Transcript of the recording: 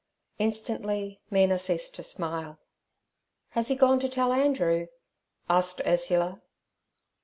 Instantly Mina ceased to smile. 'Has he gone to tell Andrew?' asked Ursula.